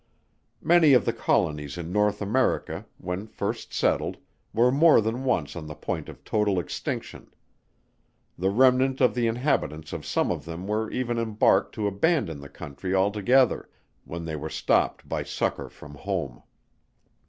Many of the Colonies in North America, when first settled, were more than once on the point of total extinction. The remnant of the inhabitants of some of them were even embarked to abandon the country altogether, when they were stopped by succour from home.